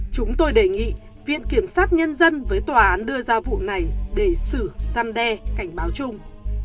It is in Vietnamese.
chúng tôi đề nghị viện kiểm sát nhân dân với tòa án đưa ra vụ này để xử giăn đe cảnh báo chung